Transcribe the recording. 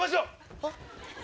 あっ！